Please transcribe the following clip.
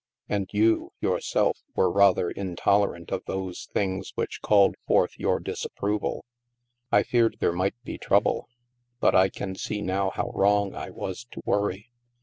And you, yourself, were rather in tolerant of those things which called forth your dis approval. I feared there might be trouble. But I can see now how wrong I was to worry.